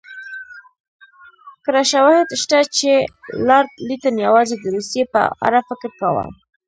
کره شواهد شته چې لارډ لیټن یوازې د روسیې په اړه فکر کاوه.